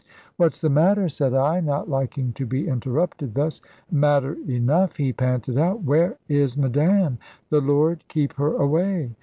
"What's the matter?" said I, not liking to be interrupted thus. "Matter enough," he panted out; "where is Madame? The Lord keep her away."